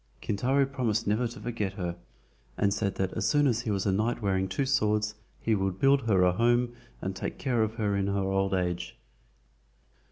Kintaro promised never to forget her, and said that as soon as he was a knight wearing two swords he would build her a home and take care of her in her old age.